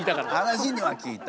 話には聞いた。